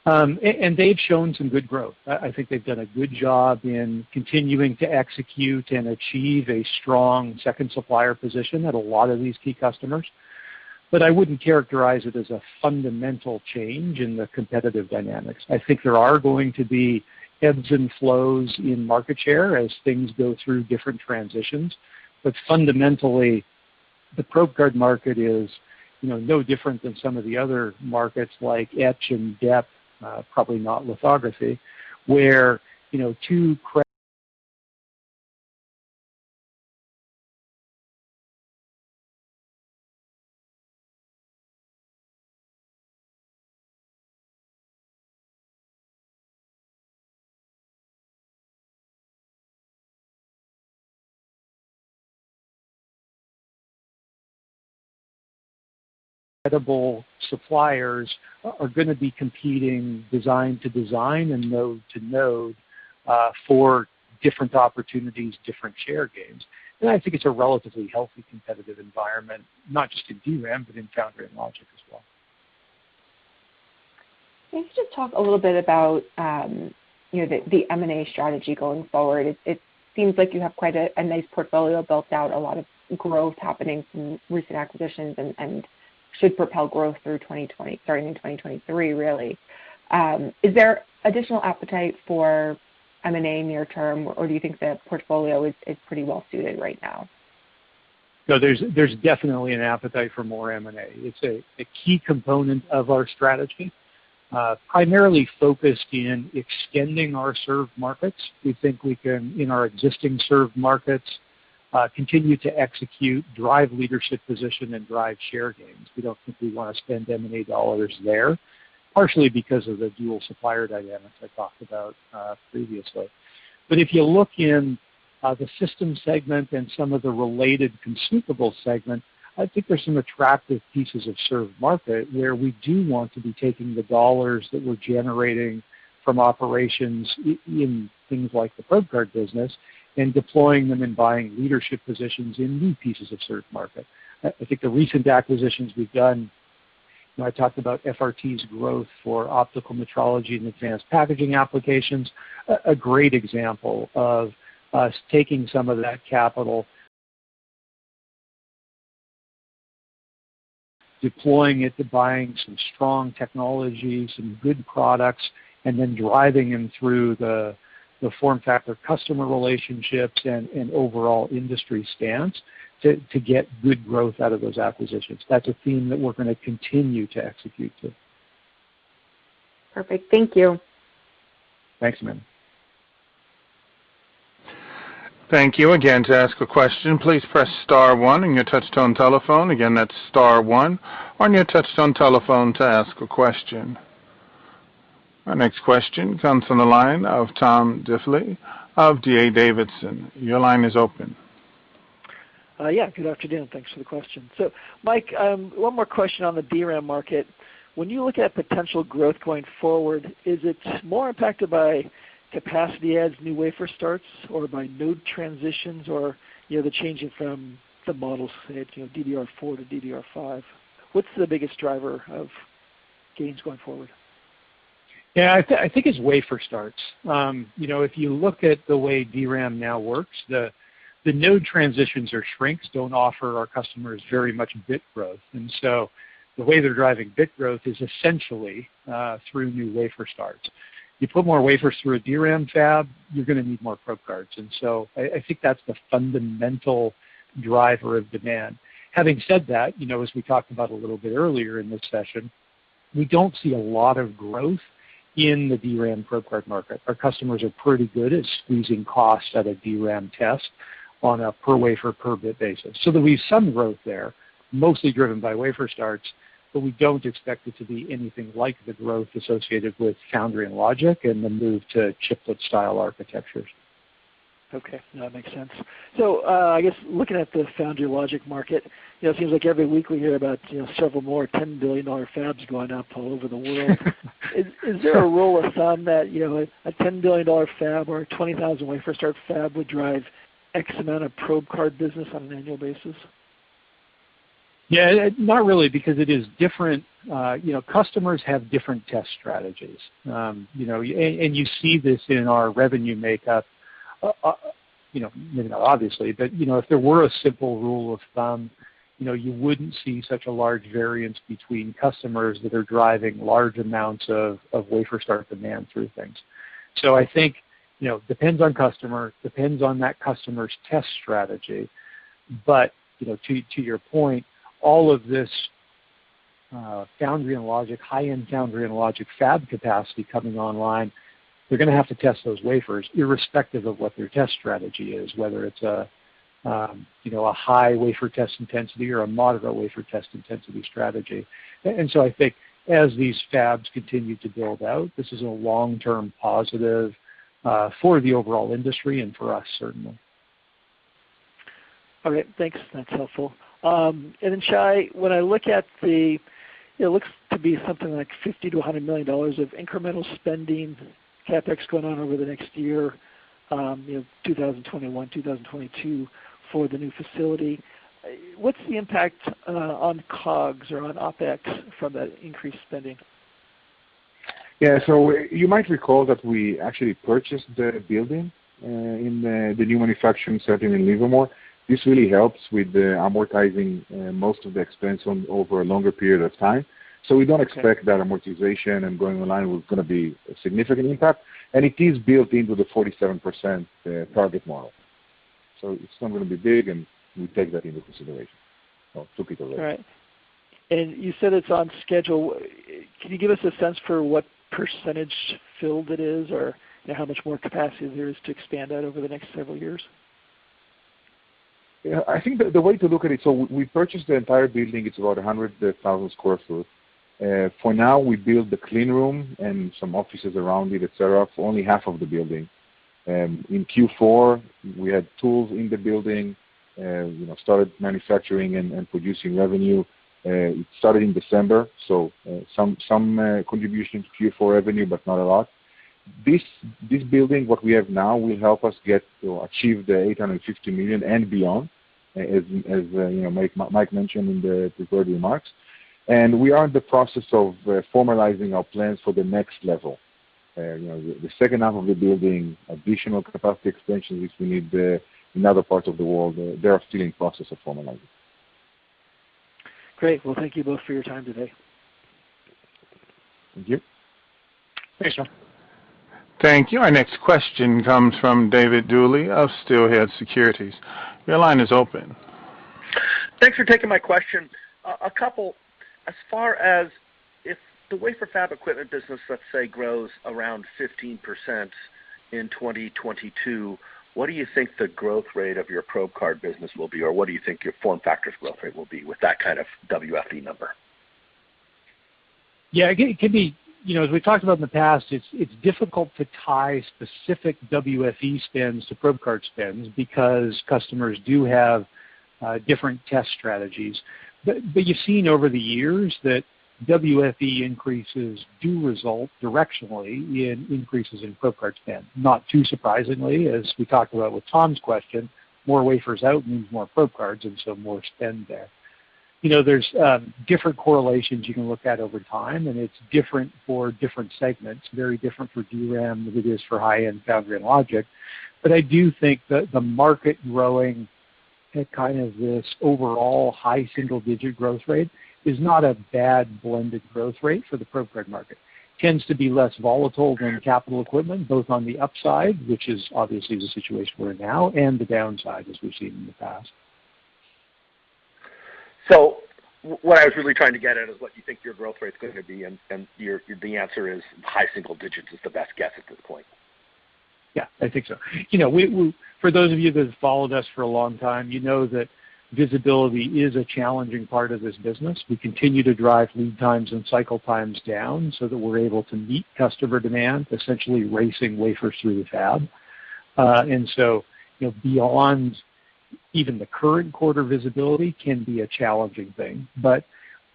Speaker 3: They've shown some good growth. I think they've done a good job in continuing to execute and achieve a strong second supplier position at a lot of these key customers. I wouldn't characterize it as a fundamental change in the competitive dynamics. I think there are going to be ebbs and flows in market share as things go through different transitions. Fundamentally, the probe card market is, you know, no different than some of the other markets like etch and dep, probably not lithography, where, you know, two credible suppliers are gonna be competing design to design and node to node, for different opportunities, different share gains. I think it's a relatively healthy competitive environment, not just in DRAM, but in foundry and logic as well.
Speaker 10: Can you just talk a little bit about you know the M&A strategy going forward? It seems like you have quite a nice portfolio built out, a lot of growth happening from recent acquisitions and should propel growth starting in 2023, really. Is there additional appetite for M&A near term, or do you think the portfolio is pretty well suited right now?
Speaker 3: No, there's definitely an appetite for more M&A. It's a key component of our strategy, primarily focused in extending our served markets. We think we can, in our existing served markets, continue to execute, drive leadership position and drive share gains. We don't think we wanna spend M&A dollars there, partially because of the dual supplier dynamics I talked about, previously. If you look in the system segment and some of the related consumable segment, I think there's some attractive pieces of served market where we do want to be taking the dollars that we're generating from operations in things like the probe card business and deploying them and buying leadership positions in new pieces of served market. I think the recent acquisitions we've done, you know, I talked about FRT's growth for optical metrology and advanced packaging applications, a great example of us taking some of that capital deploying it to buying some strong technologies and good products and then driving them through the FormFactor customer relationships and overall industry stance to get good growth out of those acquisitions. That's a theme that we're gonna continue to execute to.
Speaker 10: Perfect. Thank you.
Speaker 3: Thanks, ma'am.
Speaker 1: Our next question comes from the line of Tom Diffely of D.A. Davidson. Your line is open.
Speaker 11: Yeah, good afternoon. Thanks for the question. Mike, one more question on the DRAM market. When you look at potential growth going forward, is it more impacted by capacity adds, new wafer starts or by node transitions or, you know, the changing from the modules, say, you know, DDR4 to DDR5? What's the biggest driver of gains going forward?
Speaker 3: Yeah, I think it's wafer starts. You know, if you look at the way DRAM now works, the node transitions or shrinks don't offer our customers very much bit growth. The way they're driving bit growth is essentially through new wafer starts. You put more wafers through a DRAM fab, you're gonna need more probe cards. I think that's the fundamental driver of demand. Having said that, you know, as we talked about a little bit earlier in this session, we don't see a lot of growth in the DRAM probe card market. Our customers are pretty good at squeezing costs at a DRAM test on a per wafer, per bit basis. There'll be some growth there, mostly driven by wafer starts, but we don't expect it to be anything like the growth associated with foundry and logic and the move to chiplet style architectures.
Speaker 11: Okay. No, that makes sense. I guess looking at the foundry and logic market, you know, it seems like every week we hear about, you know, several more $10 billion fabs going up all over the world. Is there a rule of thumb that, you know, a $10 billion fab or a 20,000 wafer start fab would drive X amount of probe card business on an annual basis?
Speaker 3: Yeah, not really because it is different, you know, customers have different test strategies. You know, and you see this in our revenue makeup, you know, obviously. You know, if there were a simple rule of thumb, you know, you wouldn't see such a large variance between customers that are driving large amounts of wafer start demand through things. I think, you know, depends on customer, depends on that customer's test strategy. You know, to your point, all of this foundry and logic, high-end foundry and logic fab capacity coming online, they're gonna have to test those wafers irrespective of what their test strategy is, whether it's a high wafer test intensity or a moderate wafer test intensity strategy. I think as these fabs continue to build out, this is a long-term positive for the overall industry and for us certainly.
Speaker 11: All right. Thanks. That's helpful. Shai, when I look at the, it looks to be something like $50 million-$100 million of incremental spending CapEx going on over the next year, you know, 2021, 2022 for the new facility. What's the impact on COGS or on OpEx from that increased spending?
Speaker 4: Yeah. You might recall that we actually purchased the building in the new manufacturing setting in Livermore. This really helps with amortizing most of the expense over a longer period of time.
Speaker 11: Okay.
Speaker 4: We don't expect that amortization and going online was gonna be a significant impact, and it is built into the 47% target model. It's not gonna be big, and we take that into consideration. Two people there.
Speaker 11: All right. You said it's on schedule. Can you give us a sense for what percentage filled it is or how much more capacity there is to expand out over the next several years?
Speaker 4: Yeah. I think the way to look at it, so we purchased the entire building. It's about 100,000 sq ft. For now we build the clean room and some offices around it, etc., for only half of the building. In Q4, we had tools in the building, you know, started manufacturing and producing revenue. It started in December, so some contribution to Q4 revenue, but not a lot. This building, what we have now, will help us achieve the $850 million and beyond, as you know, Mike mentioned in the prepared remarks. We are in the process of formalizing our plans for the next level. You know, the second half of the building, additional capacity expansion, which we need in other parts of the world, they are still in process of formalizing.
Speaker 11: Great. Well, thank you both for your time today.
Speaker 4: Thank you.
Speaker 11: Thanks, y'all.
Speaker 1: Thank you. Our next question comes from David Duley of Steelhead Securities. Your line is open.
Speaker 12: Thanks for taking my question. As far as if the wafer fab equipment business, let's say, grows around 15% in 2022, what do you think the growth rate of your probe card business will be? Or what do you think your FormFactor's growth rate will be with that kind of WFE number?
Speaker 3: Yeah, it can be. You know, as we talked about in the past, it's difficult to tie specific WFE spends to probe card spends because customers do have different test strategies. You've seen over the years that WFE increases do result directionally in increases in probe card spend, not too surprisingly, as we talked about with Tom's question, more wafers out means more probe cards, and so more spend there. You know, there's different correlations you can look at over time, and it's different for different segments, very different for DRAM than it is for high-end foundry and logic. I do think that the market growing at kind of this overall high single-digit growth rate is not a bad blended growth rate for the probe card market. Tends to be less volatile than capital equipment, both on the upside, which is obviously the situation we're in now, and the downside, as we've seen in the past.
Speaker 12: What I was really trying to get at is what you think your growth rate is gonna be, and the answer is high single digits is the best guess at this point.
Speaker 3: Yeah, I think so. You know, we for those of you that have followed us for a long time, you know that visibility is a challenging part of this business. We continue to drive lead times and cycle times down so that we're able to meet customer demand, essentially racing wafers through the fab. You know, beyond even the current quarter visibility can be a challenging thing.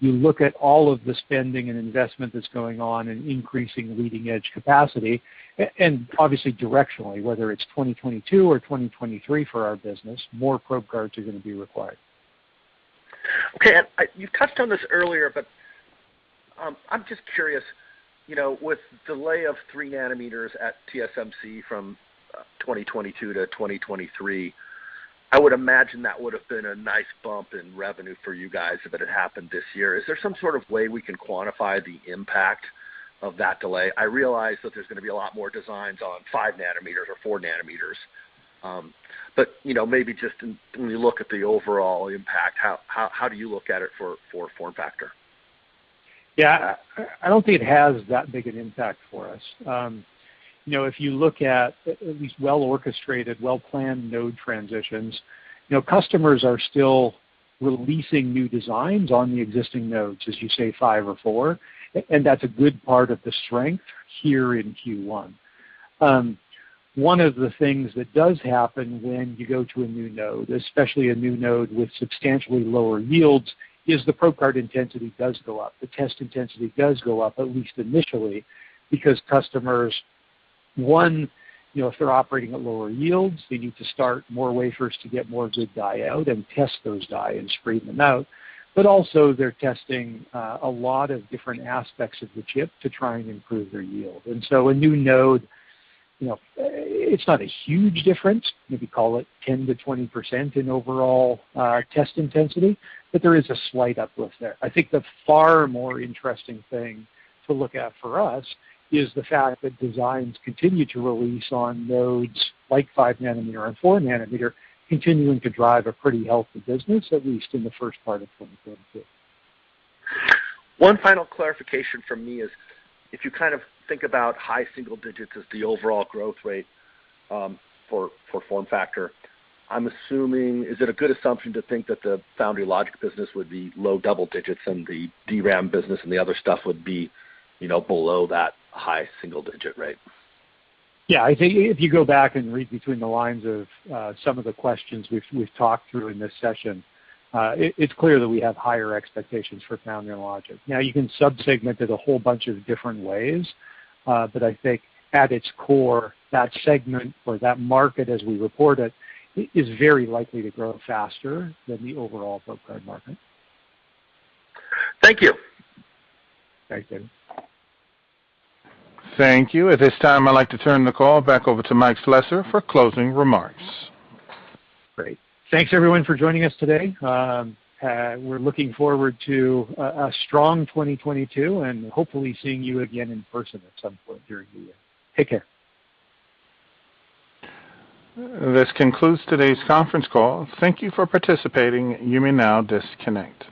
Speaker 3: You look at all of the spending and investment that's going on in increasing leading-edge capacity, and obviously directionally, whether it's 2022 or 2023 for our business, more probe cards are gonna be required.
Speaker 12: Okay. You touched on this earlier, but I'm just curious, you know, with delay of 3 nm at TSMC from 2022 to 2023, I would imagine that would have been a nice bump in revenue for you guys if it had happened this year. Is there some sort of way we can quantify the impact of that delay? I realize that there's gonna be a lot more designs on 5 nm or 4 nm, but you know, maybe just when you look at the overall impact, how do you look at it for FormFactor?
Speaker 3: Yeah, I don't think it has that big an impact for us. You know, if you look at least well-orchestrated, well-planned node transitions, you know, customers are still releasing new designs on the existing nodes, as you say, five or four, and that's a good part of the strength here in Q1. One of the things that does happen when you go to a new node, especially a new node with substantially lower yields, is the probe card intensity does go up. The test intensity does go up, at least initially, because customers, one, you know, if they're operating at lower yields, they need to start more wafers to get more good die out and test those die and screen them out. But also they're testing a lot of different aspects of the chip to try and improve their yield. A new node, you know, it's not a huge difference, maybe call it 10%-20% in overall test intensity, but there is a slight uplift there. I think the far more interesting thing to look at for us is the fact that designs continue to release on nodes like 5 nm and 4 nm, continuing to drive a pretty healthy business, at least in the first part of 2022.
Speaker 12: One final clarification from me is if you kind of think about high single-digit% as the overall growth rate for FormFactor. I'm assuming. Is it a good assumption to think that the foundry logic business would be low double-digit and the DRAM business and the other stuff would be, you know, below that high single-digit rate?
Speaker 3: Yeah. I think if you go back and read between the lines of some of the questions we've talked through in this session, it's clear that we have higher expectations for foundry and logic. Now, you can sub-segment it a whole bunch of different ways, but I think at its core, that segment or that market as we report it, is very likely to grow faster than the overall probe card market.
Speaker 12: Thank you.
Speaker 3: Thanks, David.
Speaker 1: Thank you. At this time, I'd like to turn the call back over to Mike Slessor for closing remarks.
Speaker 3: Great. Thanks everyone for joining us today. We're looking forward to a strong 2022 and hopefully seeing you again in person at some point during the year. Take care.
Speaker 1: This concludes today's conference call. Thank you for participating. You may now disconnect.